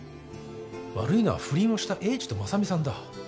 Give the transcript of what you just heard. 悪いのは不倫をした栄治と真佐美さんだ。